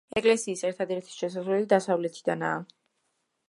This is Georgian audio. ეკლესიის ერთადერთი შესასვლელი დასავლეთიდანაა.